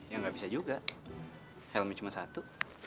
ya nggak bisa juga helmnya cuma satu